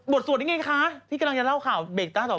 สวดนี่ไงคะที่กำลังจะเล่าข่าวเบรกต้าต่อ